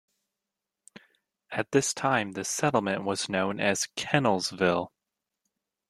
At this time, the settlement was known as Kennelsville.